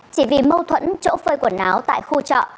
chỉ vì mâu thuẫn chỗ phơi quần áo tại khu chợ